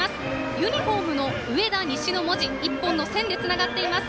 ユニフォームの上田西の文字１本でつながっています。